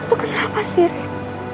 itu kenapa sih rik